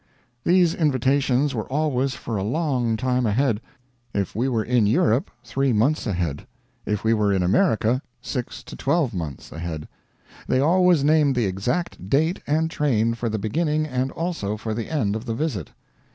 These invitations were always for a long time ahead; if we were in Europe, three months ahead; if we were in America, six to twelve months ahead. They always named the exact date and train for the beginning and also for the end of the visit.